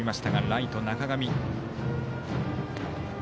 ライトの中上。